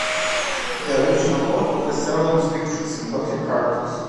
The original portal has several inscriptions in Gothic characters.